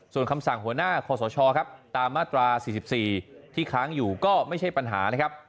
ส่วนคำสั่งหัวหน้าคอสชครับตามมาตรา๔๔ที่ค้างอยู่ก็ไม่ใช่ปัญหานะครับ